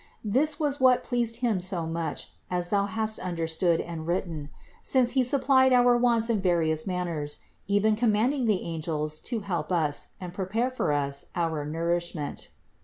This was what pleased Him so much, as thou hast under stood and written ; since He supplied our wants in various manners, even commanding the angels to help us and pre pare for us our nourishment.